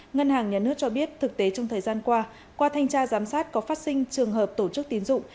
ngân hàng nhà nước cho biết thực tế trong thời gian qua qua thanh tra giám sát có phát sinh trường hợp tổ chức tín dụng